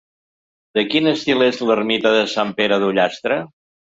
De quin estil és l'ermita de Sant Pere d'Ullastre?